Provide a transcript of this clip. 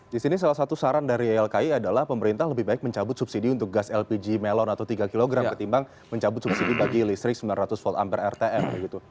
di sini salah satu saran dari ylki adalah pemerintah lebih baik mencabut subsidi untuk gas lpg melon atau tiga kg ketimbang mencabut subsidi bagi listrik sembilan ratus volt ampere rtm begitu